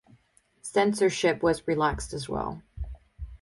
Censorship was relaxed as well.